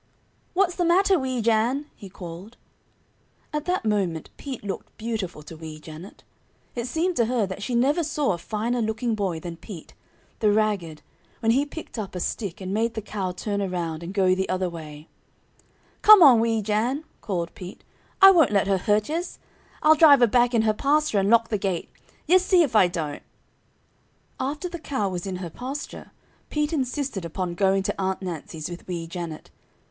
"What's the matter, Weejan?" he called. At that moment Pete looked beautiful to Wee Janet. It seemed to her that she never saw a finer looking boy than Pete, the ragged, when he picked up a stick and made the cow turn around and go the other way. [Illustration: "Janet screamed in terror."] "Come on, Weejan," called Pete. "I won't let her hurt yez. I'll drive her back in her pasture and lock the gate. Yez see if I don't!" After the cow was in her pasture Pete insisted upon going to Aunt Nancy's with Wee Janet.